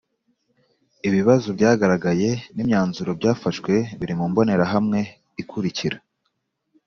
Ibibazo byagaragaye n’imyanzuro byafashwe biri mu mbonerahamwe ikurikira